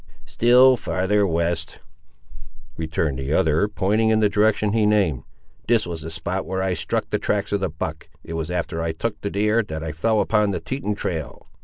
"Still farther west," returned the other, pointing in the direction he named. "This was the spot where I struck the tracks of the buck; it was after I took the deer, that I fell upon the Teton trail."